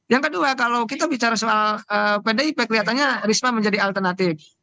yang kedua kalau kita bicara soal pdip kelihatannya risma menjadi alternatif